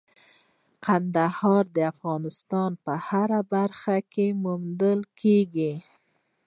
کندهار د افغانستان په هره برخه کې موندل کېږي.